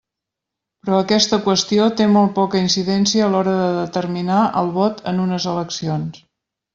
Però aquesta qüestió té molt poca incidència a l'hora de determinar el vot en unes eleccions.